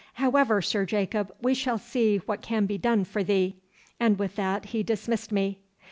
However, Sir Jacob, we shall see what can be done for thee," and with that he dismissed me.